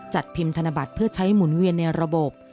จัดพิมพ์ธนบัตรเพื่อใช้หมุนเวียนในระบบ